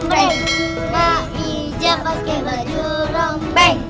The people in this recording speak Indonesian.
menghijab pakai baju rombeng